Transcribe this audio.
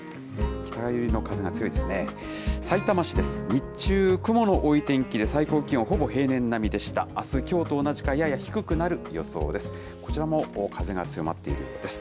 北寄りの風が強いですね。